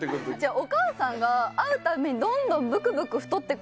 お母さんが会う度にどんどんブクブク太っていくんですよ。